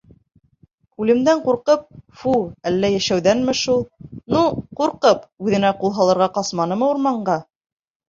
— Үлемдән ҡурҡып, фу, әллә йәшәүҙәнме шул, ну, ҡурҡып, үҙенә ҡул һалырға ҡасманымы урманға?